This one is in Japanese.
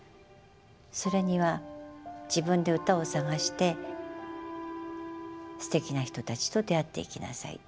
それには自分で歌を探してすてきな人たちと出会っていきなさい。